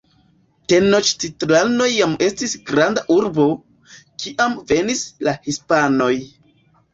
Tenoĉtitlano jam estis granda urbo, kiam venis la Hispanoj.